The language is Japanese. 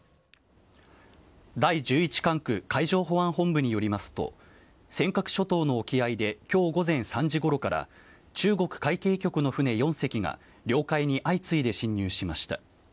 第１１管区海上保安本部によりますと、尖閣諸島の沖合で、きょう午前３時ごろから、中国海警局の船４隻が、領海に相次いで侵入しました。